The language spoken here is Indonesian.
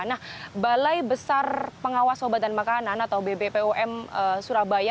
nah balai besar pengawas obat dan makanan atau bbpom surabaya